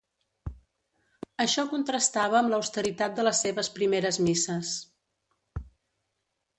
Això contrastava amb l'austeritat de les seves primeres misses.